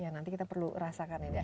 nanti kita perlu rasakan